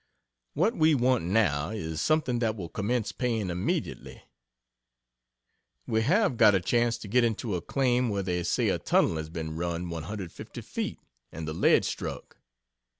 What we want now is something that will commence paying immediately. We have got a chance to get into a claim where they say a tunnel has been run 150 feet, and the ledge struck.